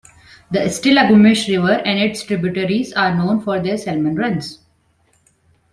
The Stillaguamish River and its tributaries are known for their salmon runs.